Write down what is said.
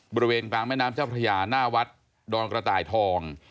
บริเวณกลางแม่น้ำเจ้าพระยาหน้าวัดดอนกระต่ายทอง